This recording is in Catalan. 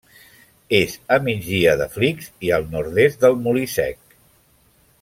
És a migdia del Flix i al nord-est del Molí Sec.